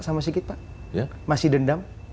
sama sikit pak masih dendam